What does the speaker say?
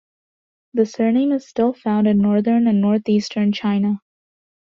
The surname is still found in northern and northeastern China.